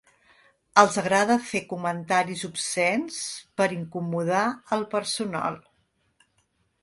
Els agrada fer comentaris obscens per incomodar el personal.